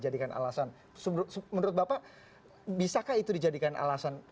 itu tidak bisa dijadikan alasan menurut bapak bisakah itu dijadikan alasan